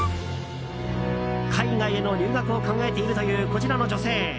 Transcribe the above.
海外への留学を考えているというこちらの女性。